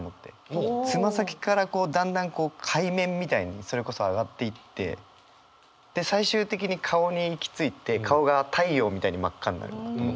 もうつま先からだんだん海面みたいにそれこそ上がっていってで最終的に顔に行き着いて顔が太陽みたいに真っ赤になる。